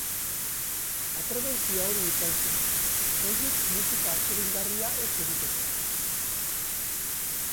Atrebentzia hori izan zuen: soilik musika atsegingarria ez egitekoa.